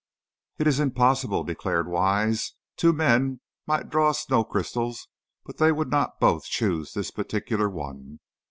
"It is impossible," declared Wise. "Two men might draw snow crystals, but they would not both choose this particular one."